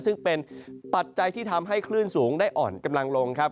ซึ่งเป็นปัจจัยที่ทำให้คลื่นสูงได้อ่อนกำลังลงครับ